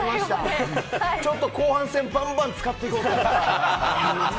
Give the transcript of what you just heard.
ちょっと後半戦ばんばん使っていこうと思います。